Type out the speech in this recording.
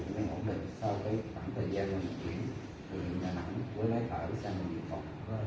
thì mình sẽ ổn định sau cái khoảng thời gian của bệnh nhân của đà nẵng với lãi khởi của trang bệnh viện phòng